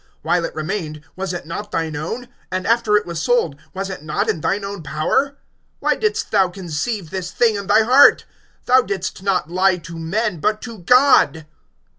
(4)While it remained, was it not thine own? And after it was sold, was it not in thine own power? Why didst thou conceive this thing in thy heart? Thou didst not lie to men, but to God.